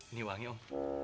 ini wangi om